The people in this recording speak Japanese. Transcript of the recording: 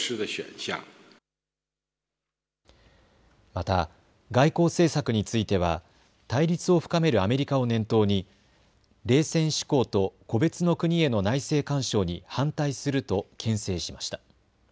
また外交政策については対立を深めるアメリカを念頭に冷戦思考と個別の国への内政干渉に反対するとけん制しました。